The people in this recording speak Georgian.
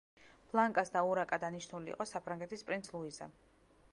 ბლანკას და, ურაკა დანიშნული იყო საფრანგეთის პრინც ლუიზე.